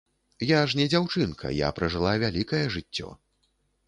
Я ж не дзяўчынка, я пражыла вялікае жыццё.